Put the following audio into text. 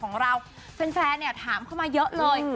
แฟนเนี่ยถามเขามาเยอะเลย